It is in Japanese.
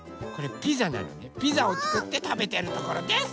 ピザをつくってたべてるところです！